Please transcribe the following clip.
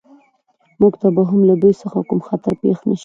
موږ ته به هم له دوی څخه کوم خطر پېښ نه شي